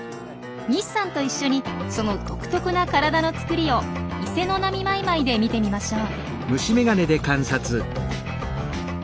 西さんと一緒にその独特な体のつくりをイセノナミマイマイで見てみましょう。